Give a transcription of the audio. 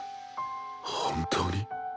本当に？